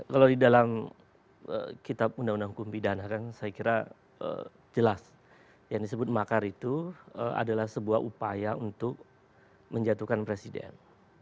kalau di dalam kitab undang undang hukum pidana kan saya kira jelas yang disebut makar itu adalah sebuah upaya untuk menjatuhkan presiden